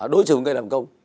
đối xử với người làm công